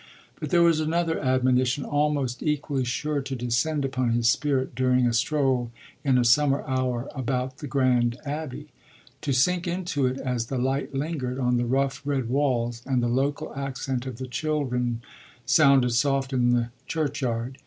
But there was another admonition almost equally sure to descend upon his spirit during a stroll in a summer hour about the grand abbey; to sink into it as the light lingered on the rough red walls and the local accent of the children sounded soft in the churchyard.